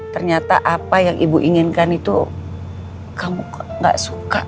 ternyata apa yang ibu inginkan itu kamu gak suka